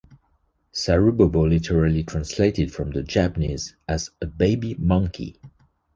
Sarubobo literally translated from the Japanese as "a baby monkey".